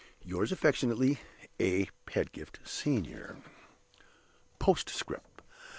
"Yours affectionately, "A. PEDGIFT, Sen. "POSTSCRIPT.